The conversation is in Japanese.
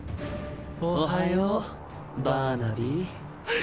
おはようバーナビー。